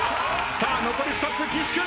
さあ残り２つ岸君。